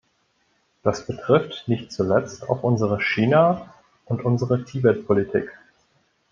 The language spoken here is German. Das betrifft nicht zuletzt auch unsere Chinaund unsere Tibet-Politik.